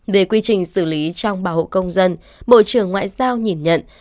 về quy trình xử lý trong bảo hộ công dân bộ trưởng ngoại giao nhìn nhận